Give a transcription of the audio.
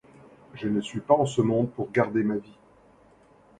Je ne suis pas en ce monde pour garder ma vie.